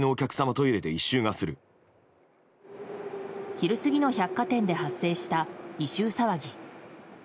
昼過ぎの百貨店で発生した異臭騒ぎ。